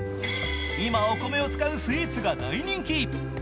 今、お米を使うスイーツが大人気。